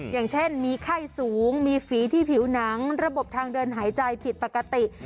อย่างเช่นมีไข้สูงมีฝีที่ผิวหนังระบบทางเดินหายใจผิดปกติ